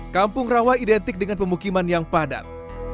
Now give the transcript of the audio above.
kampung rawa identik dengan pemukiman yang padat